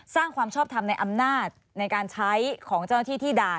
ความชอบทำในอำนาจในการใช้ของเจ้าหน้าที่ที่ด่าน